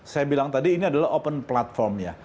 saya bilang tadi ini adalah open platform ya